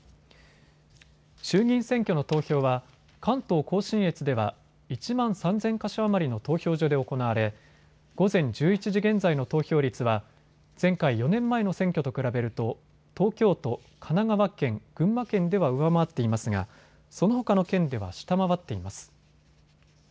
衆議院選挙の投票は関東甲信越では１万３０００か所余りの投票所で行われ午前１１時現在の投票率は前回、４年前の選挙と比べると東京都、神奈川県、群馬県では上回っていますがそのほかの県では下回っています。